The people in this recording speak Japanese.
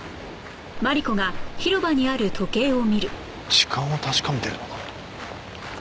時間を確かめてるのか？